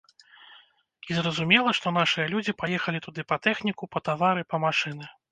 І зразумела, што нашыя людзі паехалі туды па тэхніку, па тавары, па машыны.